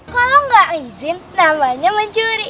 kalau nggak izin namanya mencuri